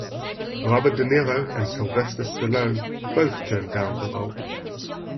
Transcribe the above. Robert De Niro and Sylvester Stallone both turned down the role.